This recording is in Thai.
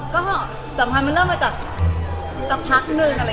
ก็สำคัญมันเริ่มมาจากพักหนึ่ง